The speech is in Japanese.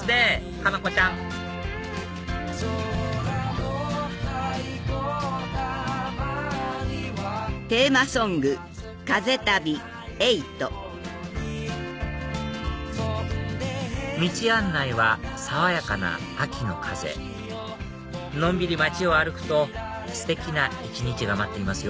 佳菜子ちゃん道案内は爽やかな秋の風のんびり街を歩くとステキな一日が待っていますよ